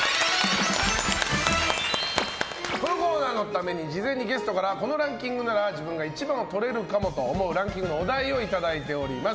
このコーナーのために事前にゲストからこのランキングなら自分が一番とれるかもと思うランキングのお題をいただいております。